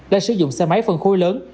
đã sử dụng xe máy phân khối lớn